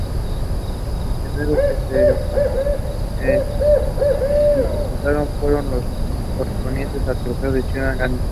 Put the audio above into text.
Los primeros que se disputaron fueron los correspondientes al trofeo Ciudad de Gandia.